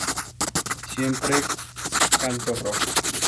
Siempre canto rock.